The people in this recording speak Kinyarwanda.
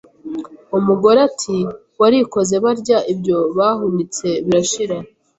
Umugore ati Warikoze Barya ibyo bahunitse birashira;